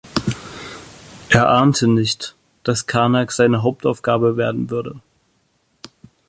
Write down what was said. Er ahnte nicht, dass Karnak seine Hauptaufgabe werden würde.